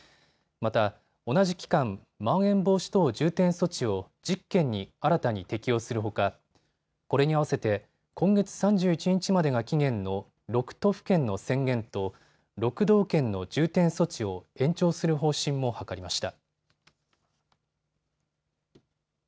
また、同じ期間、まん延防止等重点措置を１０県に新たに適用するほかこれに合わせて今月３１日までが期限の６都府県の宣言と６道県の重点措置を延長する方針も諮りました。